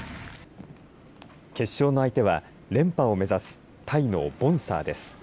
決勝の相手は連覇を目指すタイのボンサーです。